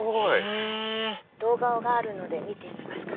へぇ動画があるので見てみますか？